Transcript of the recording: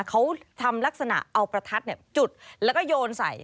เขาทำลักษณะเอาประทัดจุดแล้วก็โยนใส่